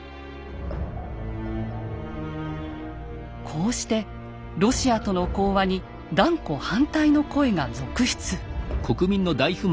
こうしてロシアとの講和に断固反対の声が続出。